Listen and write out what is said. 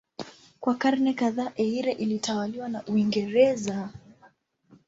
Kwa karne kadhaa Eire ilitawaliwa na Uingereza.